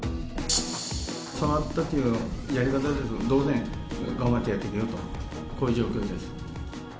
触ったというのはやり方によって当然、頑張ってやってくれよと、こういう状況です。